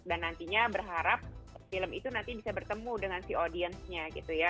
dan nantinya berharap film itu nanti bisa bertemu dengan si audiencenya gitu ya